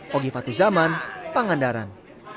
hogy fatu zaman pangandaran